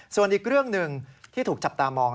ส่วนอีกเรื่องหนึ่งที่ถูกจับตามอง